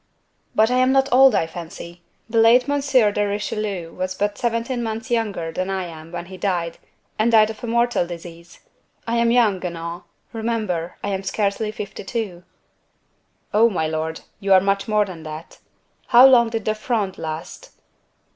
"But I am not old, I fancy. The late M. de Richelieu was but seventeen months younger than I am when he died, and died of a mortal disease. I am young, Guenaud: remember, I am scarcely fifty two." "Oh! my lord, you are much more than that. How long did the Fronde last?"